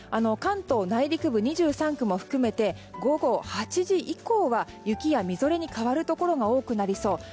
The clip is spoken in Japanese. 関東内陸部、２３区も含めて午後８時以降は雪やみぞれに変わるところが多くなりそう。